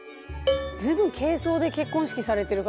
随分軽装で結婚式されてる方が。